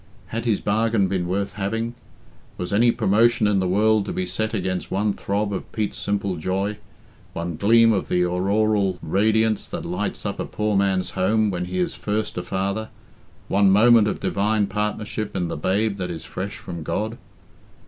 Had his bargain been worth having? Was any promotion in the world to be set against one throb of Pete's simple joy, one gleam of the auroral radiance that lights up a poor man's home when he is first a father, one moment of divine partnership in the babe that is fresh from God?